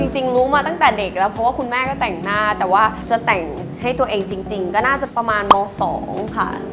จริงรู้มาตั้งแต่เด็กแล้วเพราะว่าคุณแม่ก็แต่งหน้าแต่ว่าจะแต่งให้ตัวเองจริงก็น่าจะประมาณม๒ค่ะ